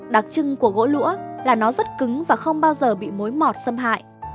đặc trưng của gỗ lũa là nó rất cứng và không bao giờ bị mối mọt xâm hại